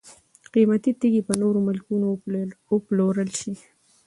قیمتي تیږي په نورو ملکونو وپلورل شي.